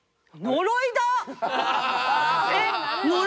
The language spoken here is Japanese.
呪いだ！